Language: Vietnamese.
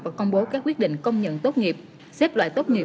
và công bố các quyết định công nhận tốt nghiệp xếp loại tốt nghiệp